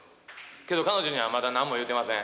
けど彼女にはまだなんも言うてません。